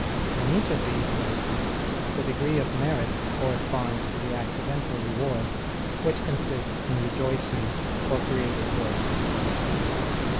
In each of these cases the degree of merit corresponds to the accidental reward, which consists in rejoicing for created good.